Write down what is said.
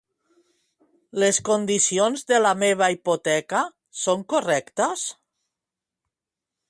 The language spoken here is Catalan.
Les condicions de la meva hipoteca són correctes?